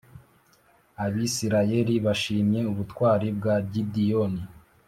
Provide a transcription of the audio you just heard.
Abisirayeli bashime ubutwari bwa gidioni